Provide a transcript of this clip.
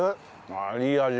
ああいい味。